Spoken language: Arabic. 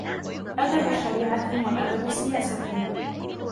أَدَبُ شَرِيعَةٍ وَأَدَبُ سِيَاسَةٍ